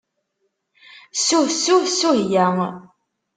Ssuh, ssuh ssuhya.